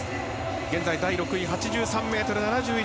現在、第６位で８３ｍ７１。